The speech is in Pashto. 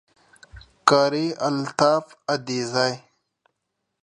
Qari Altaf Adezai